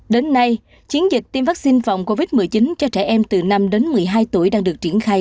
đến nay chiến dịch tiêm vaccine phòng covid một mươi chín cho trẻ em từ năm đến một mươi hai tuổi đang được triển khai